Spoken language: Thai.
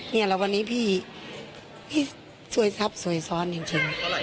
นี่เราวันนี้พี่พี่สวยซับสวยซ้อนจริง